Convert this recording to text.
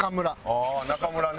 ああ中村ね。